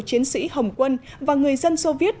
chiến sĩ hồng quân và người dân soviet